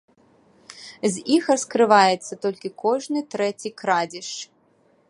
З іх раскрываецца толькі кожны трэці крадзеж.